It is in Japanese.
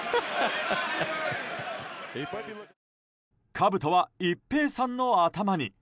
かぶとは一平さんの頭に。